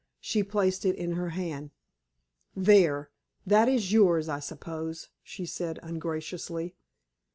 She placed it in her hand. "There! That is yours, I suppose," she said, ungraciously.